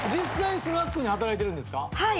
はい。